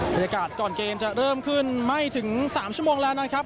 บรรยากาศก่อนเกมจะเริ่มขึ้นไม่ถึง๓ชั่วโมงแล้วนะครับ